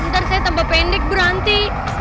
ntar saya tambah pendek bu ranti